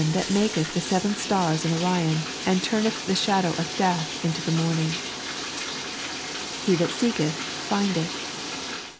175 that maketh the BevBii stars and Orion, and tumeth the shadow of death into the monung." " He that seeketh, findeth."